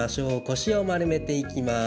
腰を丸めていきます。